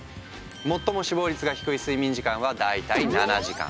最も死亡率が低い睡眠時間は大体７時間。